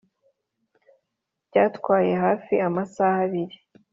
byatwaye hafi amasaha abiri